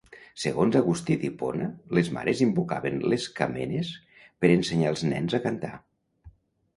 Segons Agustí d'Hipona, les mares invocaven les camenes per ensenyar els nens a cantar.